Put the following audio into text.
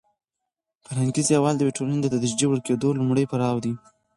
فرهنګي زوال د یوې ټولنې د تدریجي ورکېدو لومړنی پړاو دی.